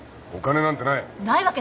お金なんてない。